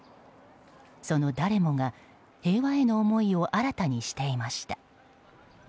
その誰もが平和への思いを新たにしていました。